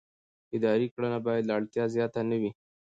اداري کړنه باید له اړتیا زیاته نه وي.